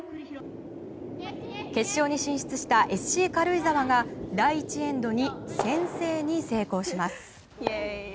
決勝に進出したＳＣ軽井沢が第１エンドに先制に成功します。